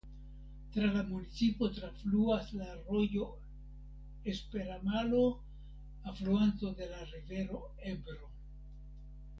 Tra la municipo trafluas la rojo Esperamalo alfluanto de la rivero Ebro.